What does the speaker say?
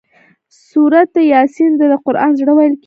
سورة یس ته د قران زړه ويل کيږي